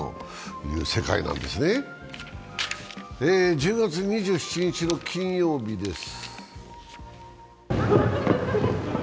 １０月２７日の金曜日です。